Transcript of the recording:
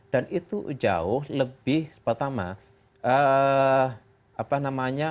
dan itu jauh lebih pertama